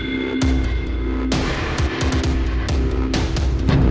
mbak andin yang membunuh roy